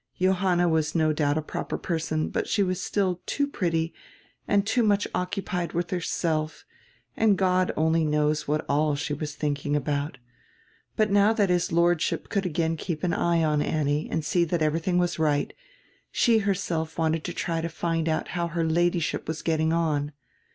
Johanna was no doubt a proper person, but she was still too pretty and too much occupied with herself, and God only knows what all she was thinking about. But now that his Lordship could again keep an eye on Annie and see that everything was right, she herself wanted to try to find out how her Ladyship was getting on.